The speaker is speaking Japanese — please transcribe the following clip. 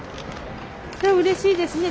うれしいですね。